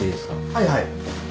はいはい。